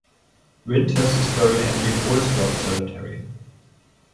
Winters is buried at the Ohlsdorf Cemetery.